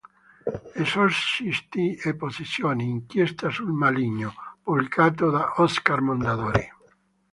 Esorcisti e possessioni: Inchiesta sul Maligno", pubblicato da Oscar Mondadori.